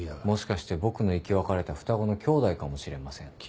もしかして僕の生き別れた双子のきょうだいかもしれません。